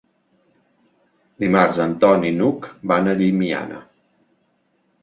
Dimarts en Ton i n'Hug van a Llimiana.